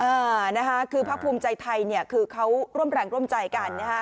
อ่านะคะคือพักภูมิใจไทยเนี่ยคือเขาร่วมแรงร่วมใจกันนะฮะ